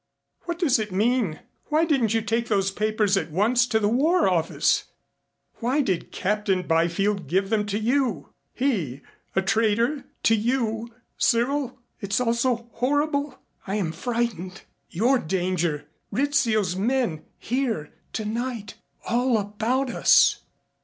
What does it mean? Why didn't you take those papers at once to the War Office? Why did Captain Byfield give them to you? He a traitor to you Cyril! It is all so horrible. I am frightened. Your danger Rizzio's men, here tonight all about us."